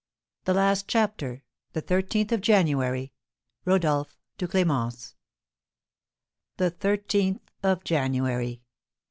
R. THE LAST CHAPTER. THE THIRTEENTH OF JANUARY. Rodolph to Clémence. The thirteenth of January!